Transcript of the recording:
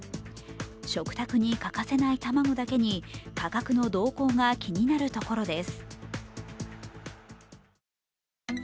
食卓に欠かせない卵だけに価格の動向が気になるところです。